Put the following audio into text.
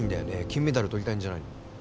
金メダルとりたいんじゃないの？